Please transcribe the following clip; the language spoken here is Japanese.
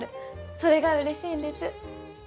それがうれしいんです。